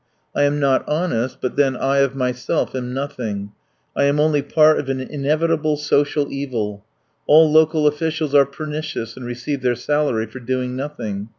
I am not honest, but then, I of myself am nothing, I am only part of an inevitable social evil: all local officials are pernicious and receive their salary for doing nothing.